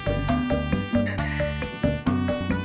aku terlalu penat deswegen